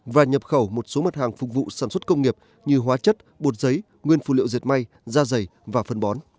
và nhập khẩu một số mặt hàng phục vụ sản xuất công nghiệp như hóa chất bột giấy nguyên phụ liệu diệt may da dày và phân bón